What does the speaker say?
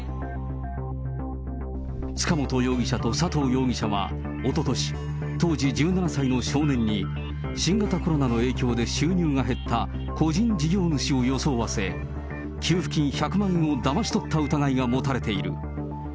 塚本容疑者と佐藤容疑者はおととし、当時１７歳の少年に、新型コロナの影響で収入が減った個人事業主を装わせ、給付金１００万円をだまし取った疑いが持たれています。